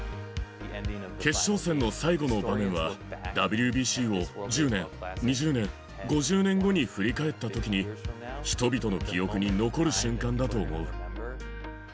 決勝戦の最後の場面は、ＷＢＣを、１０年、２０年、５０年後に振り返ったときに、人々の記憶に残る瞬間だと思う。